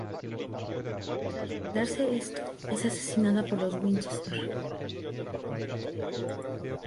Tras revelarse esto es asesinada por los Winchester.